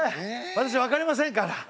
私わかりませんから。